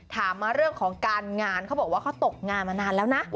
ถามมาเรื่องของการงานเขาบอกว่าเขาตกงานมานานแล้วนะ